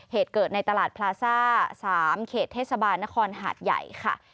เหตุเกิดในตลาดพลาซ่า๓เขตเทศบาลนครหาดใหญ่ค่ะ